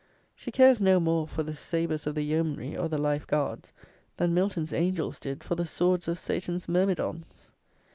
She cares no more for the sabres of the yeomanry or the Life Guards than Milton's angels did for the swords of Satan's myrmidons.